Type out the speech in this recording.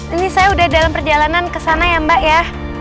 ini saya udah dalam perjalanan kesana ya mbak ya